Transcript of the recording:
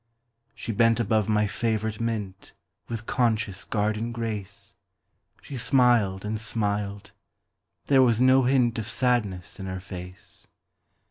She bent above my favourite mintWith conscious garden grace, She smiled and smiled—there was no hintOf sadness in her face.